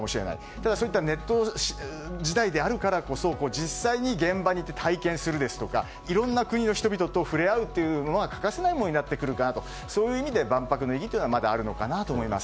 ただネット時代であるからこそ実際に現場に行って体験するですとかいろいろな国の人々と触れ合うということは欠かせないものになってくるかなという意味で万博の意義はまだあるのかなと思います。